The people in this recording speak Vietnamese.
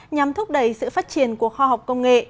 nhằm thúc đẩy sự phát triển của khoa học công nghệ